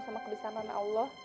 sama kebisanan allah